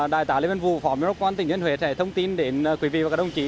đại tả lê vân vũ phóng viên quốc quan tỉnh nhân huế sẽ thông tin đến quý vị và các đồng chí